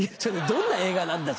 どんな映画なんだ？